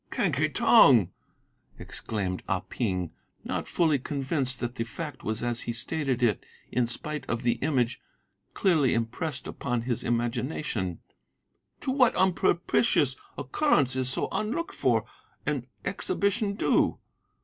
"'Quen Ki Tong!' exclaimed Ah Ping, not fully convinced that the fact was as he stated it in spite of the image clearly impressed upon his imagination; 'to what unpropitious occurrence is so unlooked for an exhibition due?